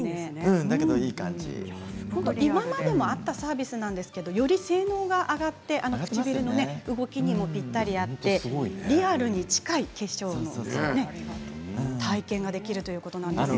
今までもあったサービスなんですがより性能が上がって唇の動きにもぴったり合ってリアルに近い化粧体験ができるということです。